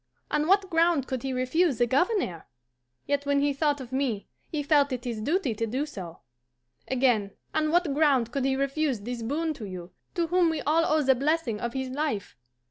On what ground could he refuse the Governor? Yet when he thought of me he felt it his duty to do so. Again, on what ground could he refuse this boon to you, to whom we all owe the blessing of his life?